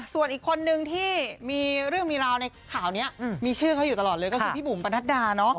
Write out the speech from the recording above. ส่วนอีกคนนึงที่มีเรื่องมีราวในข่าวนี้มีชื่อเขาอยู่ตลอดเลยก็คือพี่บุ๋มประนัดดาเนาะ